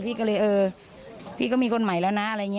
พี่ก็เลยเออพี่ก็มีคนใหม่แล้วนะอะไรอย่างนี้